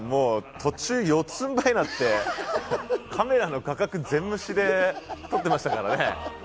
途中、四つんばいになってカメラの画角、全無視で取ってましたからね。